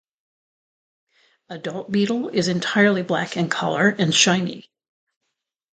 Adult beetle is entirely black in color and shiny.